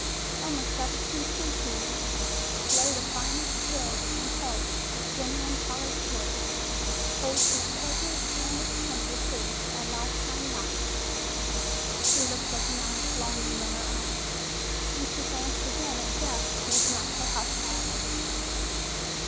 "Only seventeen cents, ma'am. Blade of finest steel and hilt of genuine polished wood! Holds its edges and its temper, too! A lifetime knife!" She looked at the knife, longing in her eyes. When she glanced again at Jeff, she was not so hostile.